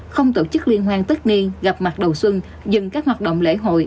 không tổ chức liên hoan tất niên gặp mặt đầu xuân dừng các hoạt động lễ hội